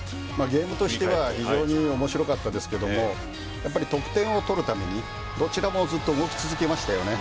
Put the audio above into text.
ゲームとしては非常に面白かったですがやっぱり得点を取るためにどちらも動き続けましたね。